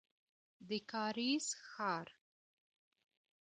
د کارېز ښار.